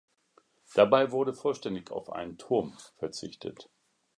Dabei wurde vollständig auf einen Turm verzichtet.